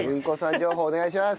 情報お願いします！